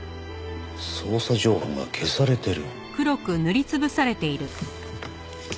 捜査情報が消されてる。